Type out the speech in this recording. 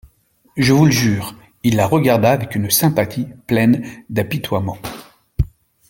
Je vous le jure ! Il la regarda avec une sympathie pleine d'apitoiement.